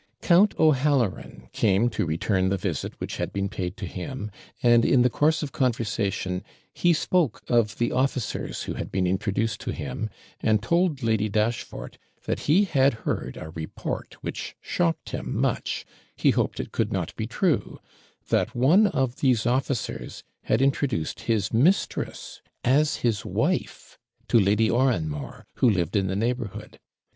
Count O'Halloran came to return the visit which had been paid to him; and, in the course of conversation, he spoke of the officers who had been introduced to him, and told Lady Dashfort that he had heard a report which shocked him much he hoped it could not be true that one of these officers had introduced his mistress as his wife to Lady Oranmore, who lived in the neighbourhood.